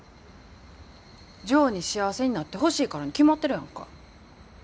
ジョーに幸せになってほしいからに決まってるやんか。